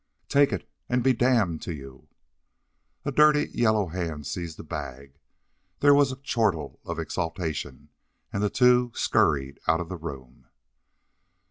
"Take it, and be damned to you!" A dirty, yellow hand seized the bag; there was a chortle of exultation, and the two scurried out of the room.